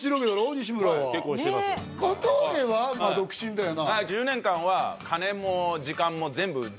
西村ははい結婚してます小峠は独身だよな